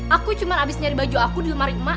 aku cuma habis nyari baju aku di rumah rima